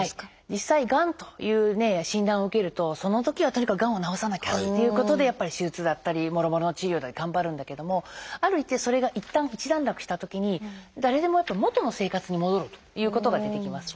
実際がんという診断を受けるとそのときはとにかくがんを治さなきゃっていうことでやっぱり手術だったりもろもろの治療だったり頑張るんだけどもある一定それがいったん一段落したときに誰でもやっぱり元の生活に戻るということが出てきます。